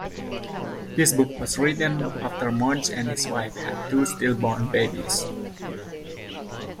The book was written after Munsch and his wife had two stillborn babies.